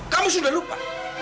kamu sudah lupa